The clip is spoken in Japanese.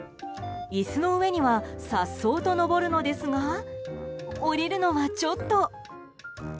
椅子の上には颯爽と登るのですが下りるのは、ちょっと。